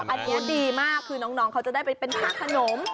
อันนี้ดีมากคือน้องเขาจะได้ไปเป็นผ้าขนม